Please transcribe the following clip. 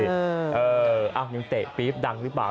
เออยังเตะปี๊บดังหรือเปล่า